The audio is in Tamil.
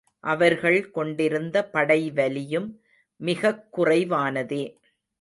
அவர்கள் கொண்டிருந்த படைவலியும் மிகக் குறைவானதே.